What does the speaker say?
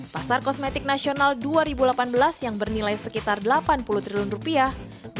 pasar kosmetik nasional dua ribu delapan belas yang bernilai sekitar delapan puluh triliun rupiah